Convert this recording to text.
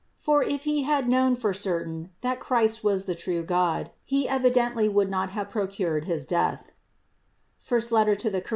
For if he had known for certain, that Christ was the true God, he evidently would not have procured his death (I Cor.